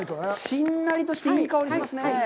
しんなりとしていい香りがしますね。